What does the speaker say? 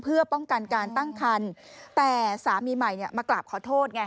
เพื่อป้องกันการตั้งคันแต่สามีใหม่เนี่ยมากราบขอโทษไง